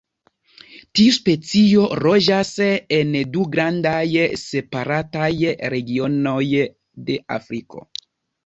Tiu specio loĝas en du grandaj separataj regionoj de Afriko.